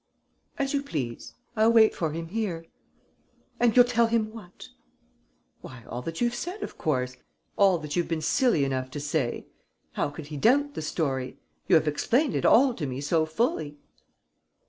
"As you please. I'll wait for him here." "And you'll tell him what?" "Why, all that you've said, of course, all that you've been silly enough to say. How could he doubt the story? You have explained it all to me so fully."